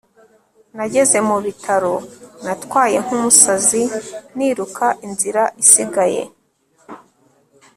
nageze mu bitaro, natwaye nk'umusazi niruka inzira isigaye